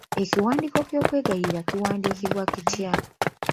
Ekiwandiiko ky'okwegayirira kiwandiikibwa kitya?